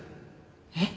えっ？